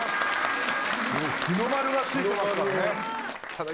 日の丸がついてますからね。